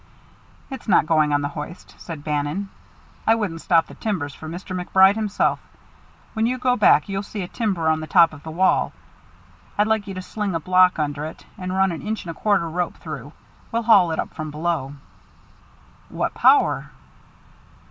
"It's not going on the hoist," said Bannon. "I wouldn't stop the timbers for Mr. MacBride himself. When you go back, you'll see a timber on the top of the well. I'd like you to sling a block under it and run an inch and a quarter rope through. We'll haul it up from below." "What power?"